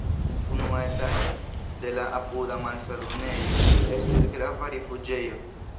Unua etaĝo de la apuda malsanulejo estis grava rifuĝejo.